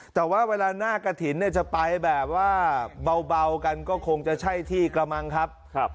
แต่ว่าเวลาหน้ากระถินจะไปแบบว่าเบากันก็คงจะใช่ที่กระมังครับ